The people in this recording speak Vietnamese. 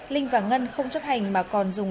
linh và ngân không chấp hành mà còn dùng